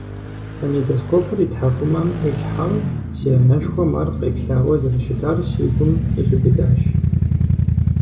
Фонедоскопыр и тхьэкӀумэм Ӏуилъхьэу си анэшхуэм ар къеплъауэ зэрыщытар си гум изубыдащ.